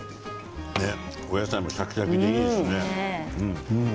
お野菜もシャキシャキでおいしい。